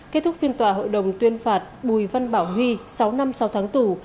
kết thúc phiên tòa hội đồng tuyên phạt bùi văn bảo huy sáu năm sáu tháng tù